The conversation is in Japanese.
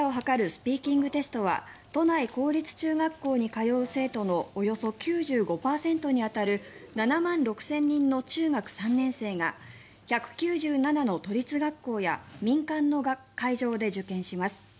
スピーキングテストは都内公立中学校に通う生徒のおよそ９５％に当たる７万６０００人の中学３年生が１９７の都立学校や民間の会場で受験します。